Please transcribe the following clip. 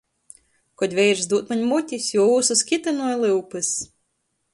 Kod veirs dūd maņ mutis, juo ūsys kitynoj lyupys.